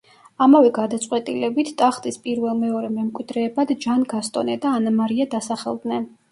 ამავე გადაწყვეტილებით, ტახტის პირველ-მეორე მემკვიდრეებად ჯან გასტონე და ანა მარია დასახელდნენ.